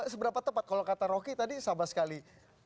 seberapa tepat kalau kata rocky tadi sama sekali